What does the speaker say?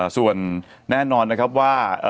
ส่วนแน่นอนนะครับว่า